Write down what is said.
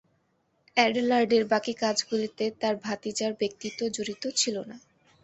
অ্যাডেলার্ডের বাকি কাজগুলিতে তার ভাতিজার ব্যক্তিত্ব জড়িত ছিল না।